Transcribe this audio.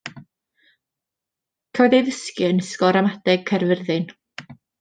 Cafodd ei addysgu yn ysgol ramadeg Caerfyrddin.